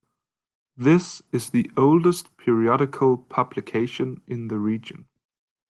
This is the oldest periodical publication in the region.